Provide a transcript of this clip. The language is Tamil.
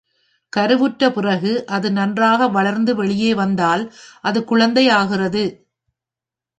கருவுற்ற பிறகு அது நன்றாக வளர்ந்து வெளியே வந்தால் அது குழந்தை ஆகிறது.